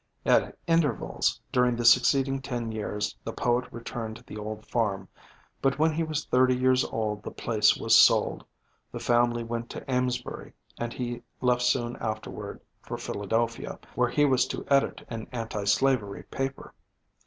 At intervals during the succeeding ten years the poet returned to the old farm, but when he was thirty years old the place was sold, the family went to Amesbury, and he left soon afterward for Philadelphia, where he was to edit an anti slavery paper.